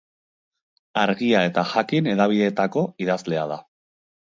Argia eta Jakin hedabideetako idazlea da.